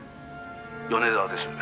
「米沢です